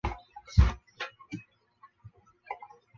然而它们有能力直接从高处滑行到地面。